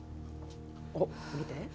おっ見て